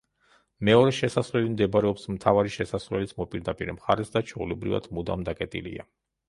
მეორე შესასვლელი მდებარეობს მთავარი შესასვლელის მოპირდაპირე მხარეს და ჩვეულებრივად მუდამ დაკეტილია.